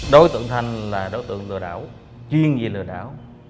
đối tượng thanh là đối tượng lừa đảo chuyên về lừa đảo